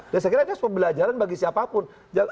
saya kira dia sepembelajaran bagi siapapun